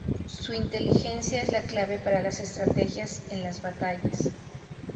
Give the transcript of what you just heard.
Su inteligencia es la clave para las estrategias en las batallas.